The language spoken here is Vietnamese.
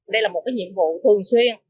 đây là một cái nhiệm vụ thường xuyên